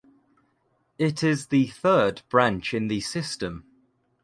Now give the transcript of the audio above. It is the third branch in the system.